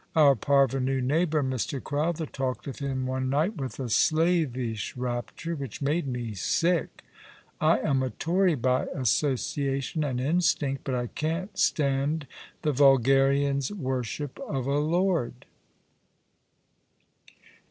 Our parvenu neighbour, Mr. Crowther, talked of him one night with a ^^ Far, too far off'^ 157 slavish raphiro which made me sick. I am a Tory by asso ciation and instinct, but I can't stand the Tulgarian's wor ship of a lord."